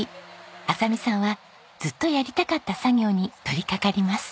亜沙美さんはずっとやりたかった作業に取りかかります。